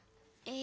え